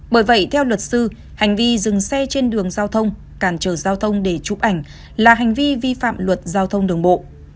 bởi vậy theo luật sư hành vi dừng xe trên đường giao thông cản trở giao thông để chụp ảnh là hành vi vi phạm luật giao thông đường bộ